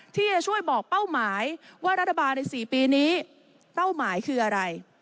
ที่จะช่วยบอกเป้าหมายว่ารัฐบาลใน๔ปีนี้เป้าหมายคืออะไร